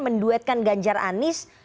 menduetkan ganjar anies